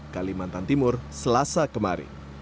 kalimantan timur selasa kemarin